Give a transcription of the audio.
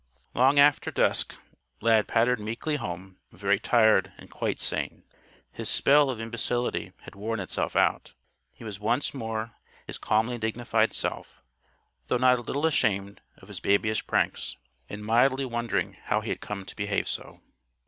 Long after dusk, Lad pattered meekly home, very tired and quite sane. His spell of imbecility had worn itself out. He was once more his calmly dignified self, though not a little ashamed of his babyish pranks, and mildly wondering how he had come to behave so.